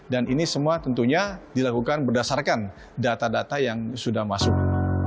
dan ini semua tentunya dilakukan berdasarkan data data yang sudah masuk